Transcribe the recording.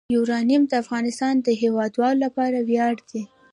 یورانیم د افغانستان د هیوادوالو لپاره ویاړ دی.